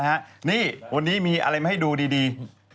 วันนี้มีอะไรให้ดูดี